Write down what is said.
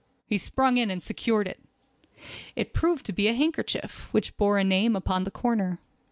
He sprung in and secured it. It proved to be a handkerchief, which bore a name upon the corner.